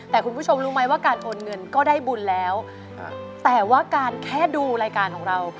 แต่คุณผู้ชมรู้ไหมว่าการโอนเงินก็ได้บุญแล้วแต่ว่าการแค่ดูรายการของเรา